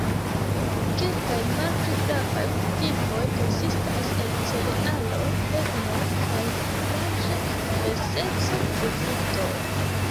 Kelkaj malpli gravaj kultivoj konsistas el cerealoj, legomoj kaj larĝa diverseco de fruktoj.